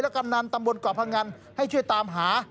และกำนานตำรวจเกาะภังกันให้ช่วยตามหา